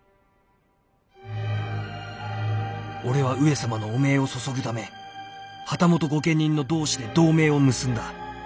俺は上様の汚名を雪ぐため旗本御家人の同志で同盟を結んだ。